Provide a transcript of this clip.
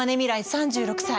３６歳。